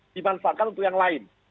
dimanfaatkan untuk yang lain